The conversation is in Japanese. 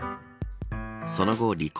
その後、離婚。